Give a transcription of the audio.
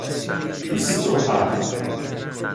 بیست و هفت